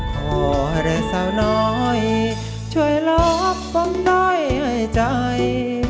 ขออะไรสาวน้อยช่วยรับความด้อยหายใจ